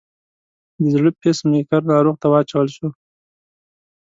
د زړه پیس میکر ناروغ ته واچول شو.